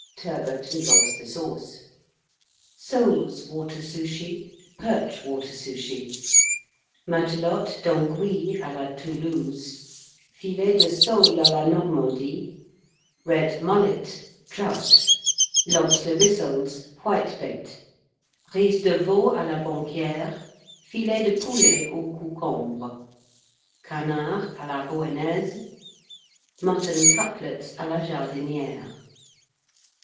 Turbot and Lobster Sauce. Soles Water Souchy. Perch Water Souchy. Matelote d'Anguilles à la Toulouse. Filets de Soles à la Normandie. Red Mullet. Trout. Lobster Rissoles. Whitebait. Riz de Veau à la Banquière. Filets de Poulets aux Coucombres. Canards à la Rouennaise. Mutton Cutlets à la Jardinière.